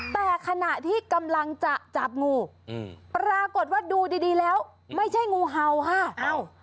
แต่ขณะที่กำลังจะจับงูอืมปรากฏว่าดูดีดีแล้วไม่ใช่งูเห่าค่ะเอ้า